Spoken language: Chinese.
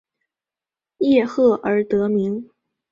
叶赫而得名。